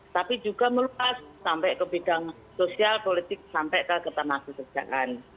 tapi juga meluas sampai ke bidang sosial politik sampai ke ketenagakerjaan